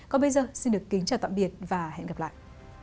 còn bây giờ xin được kính chào tạm biệt và hẹn gặp lại